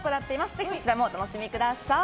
ぜひそちらもお楽しみください。